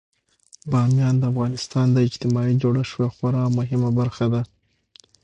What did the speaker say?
بامیان د افغانستان د اجتماعي جوړښت یوه خورا مهمه برخه ده.